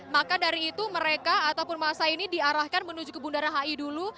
maka dari itu mereka ataupun masa ini diarahkan menuju ke bundaran hi dulu